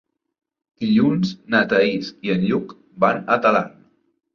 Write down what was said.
Dilluns na Thaís i en Lluc van a Talarn.